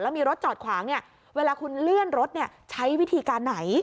แล้วมีรถจอดขวางเนี่ยเวลาคุณเลื่อนรถเนี่ยใช้วิธีการไหน